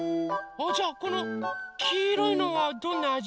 あじゃあこのきいろいのはどんなあじ？